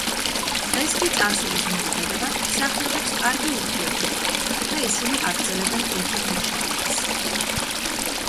დღეს კი წარსულის მიუხედავად, მსახიობებს კარგი ურთიერთობა აქვთ და ისინი აგრძელებენ ერთად მუშაობას.